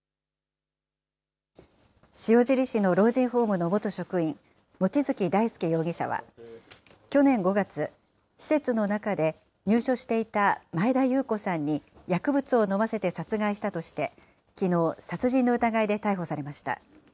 塩尻市の老人ホームの元職員、望月大輔容疑者は去年５月、施設の中で入所していた前田裕子さんに薬物を飲ませて殺害したとして、きのう殺人の疑いで逮捕されました。